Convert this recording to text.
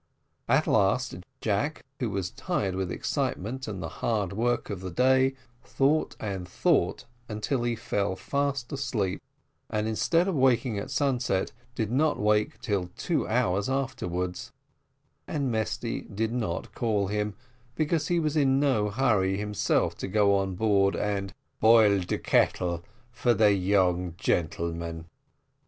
At last Jack, who was tired with excitement and the hard work of the day, thought and thought till he fell fast asleep, and instead of waking at sunset did not wake till two hours afterwards; and Mesty did not call him, because he was in no hurry himself to go on board and boil de kettle for de young gentlemen.